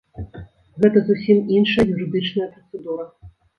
Гэта зусім іншая юрыдычная працэдура.